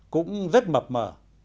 cũng rất mập mở